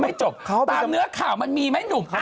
จบตามเนื้อข่าวมันมีไหมหนุ่ม